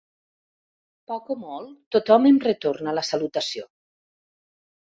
Poc o molt, tothom em retorna la salutació.